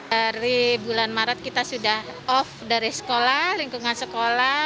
dari bulan maret kita sudah off dari sekolah lingkungan sekolah